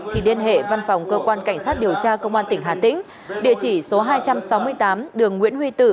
thì liên hệ văn phòng cơ quan cảnh sát điều tra công an tỉnh hà tĩnh địa chỉ số hai trăm sáu mươi tám đường nguyễn huy tử